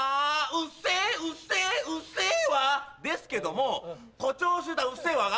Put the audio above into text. うっせぇうっせぇうっせぇわですけども誇張し過ぎた『うっせぇわ』が。